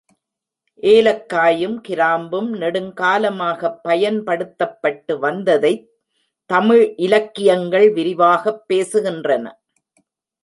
ஏலக்காயும், கிராம்பும் நெடுங் காலமாகப் பயன்படுத்தப்பட்டு வந்ததைத் தமிழ் இலக்கி யங்கள் விரிவாகப் பேசுகின்றன.